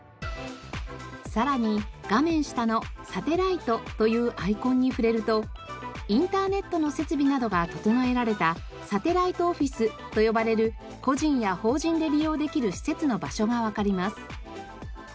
さらに画面下の「サテライト」というアイコンに触れるとインターネットの設備などが整えられた「サテライトオフィス」と呼ばれる個人や法人で利用できる施設の場所がわかります。